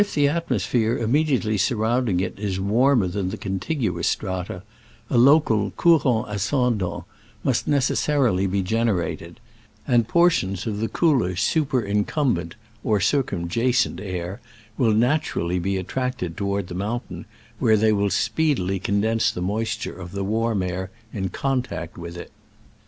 the atmosphere immediately surround ing it is warmer than the contiguous strata, a local "courant ascendant" must necessarily be generated ; and portions of the cooler superincumbent (or circumjacent) air will naturally be attracted toward the mountain, where they will speedily condense the moist ure of the warm air in contact with it.